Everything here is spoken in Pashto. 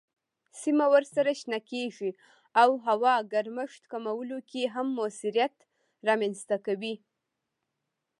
سیمه ورسره شنه کیږي او هوا ګرمښت کمولو کې هم موثریت رامنځ کوي.